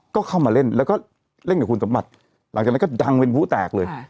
ก็เข้ามาเล่นแล้วก็เล่นกับคุณสมบัติหลังจากนั้นก็ดังเป็นผู้แตกเลย